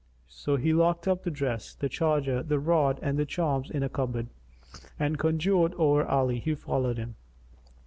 So he locked up the dress, the charger, the rod and the charms in a cupboard[FN#252] and conjured over Ali, who followed him.